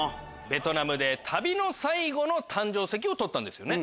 ベトナムで旅の最後の誕生石を採ったんですよね。